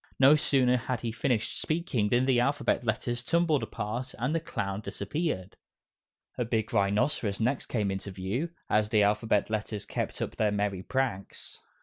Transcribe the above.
No sooner had he finished speaking than the Alphabet Letters tumbled apart, and the clown disappeared. A big rhinoceros next came into view as the Alphabet Letters kept up their merry pranks.